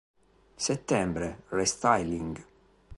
Settembre: restyling.